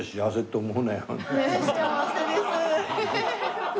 幸せです。